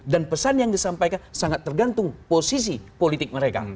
dan pesan yang disampaikan sangat tergantung posisi politik mereka